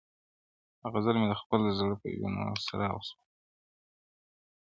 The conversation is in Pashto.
دا غزل مي د خپل زړه په وینو سره سوه -